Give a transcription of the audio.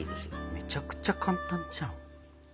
めちゃくちゃ簡単じゃん。